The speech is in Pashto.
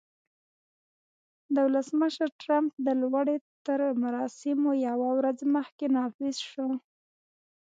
د ولسمشر ټرمپ د لوړې تر مراسمو یوه ورځ مخکې نافذ شو